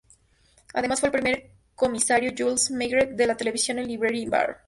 Además, fue el primer comisario Jules Maigret de la televisión en "Liberty Bar".